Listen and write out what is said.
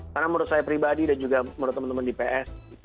karena menurut saya pribadi dan juga menurut teman teman di ps